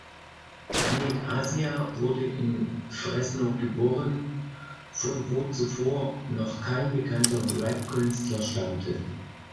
Planet Asia wurde in Fresno geboren, von wo zuvor noch kein bekannter Rap-Künstler stammte.